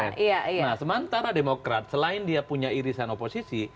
nah sementara demokrat selain dia punya irisan oposisi